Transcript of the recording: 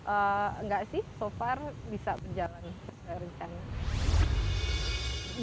enggak sih so far bisa berjalan sesuai rencana